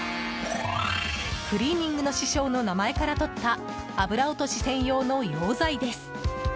クリーニングの師匠の名前からとった油落とし専用の溶剤です。